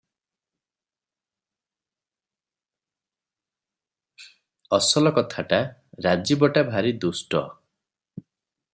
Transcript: ଅସଲ କଥାଟା, ରାଜୀବଟା ଭାରି ଦୁଷ୍ଟ ।